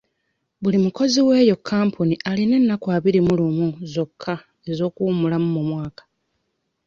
Buli mukozi w'eyo kampuni alina ennaku abiri mu lumu zokka ez'okuwummula mu mwaka.